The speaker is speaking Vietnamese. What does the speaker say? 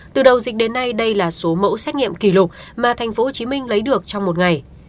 từ đầu dịch đến nay đây là số mẫu xét nghiệm kỷ lục mà tp hcm lấy được trong một ngày